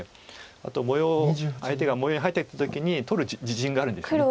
あと相手が模様に入ってきた時に取る自信があるんですよね。